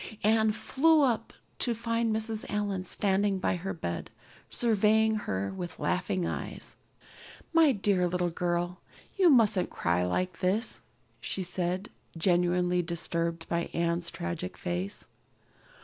Anne flew up, to find Mrs. Allan standing by her bed, surveying her with laughing eyes. "My dear little girl, you mustn't cry like this," she said, genuinely disturbed by Anne's tragic face.